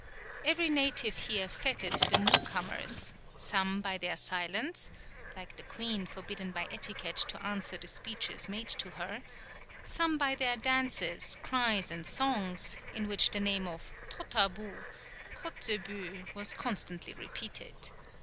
Every native here fêted the new comers, some by their silence like the queen forbidden by etiquette to answer the speeches made to her some by their dances, cries, and songs, in which the name of Totabou (Kotzebue) was constantly repeated.